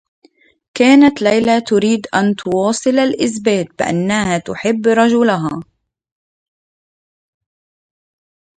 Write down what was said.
كانت ليلى تريد أن تواصل الإثبات بأنّها تحبّ رجلها.